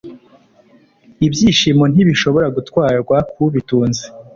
ibyishimo ntibishobora gutwarwa kubitunze